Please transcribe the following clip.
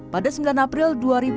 pada sembilan april dua ribu dua puluh